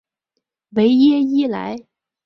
维耶伊莱。